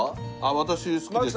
私好きです。